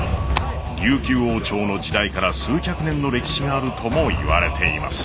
琉球王朝の時代から数百年の歴史があるともいわれています。